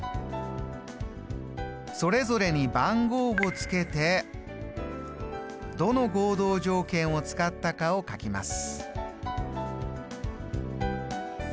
それぞれに番号を付けてどの合同条件を使ったかを書きます。